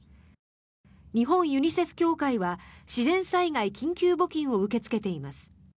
日本ユニセフ協会は自然災害緊急募金を受け付けています。